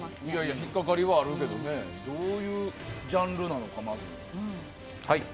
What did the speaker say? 引っ掛かりはあるけどまずどういうジャンルなのか。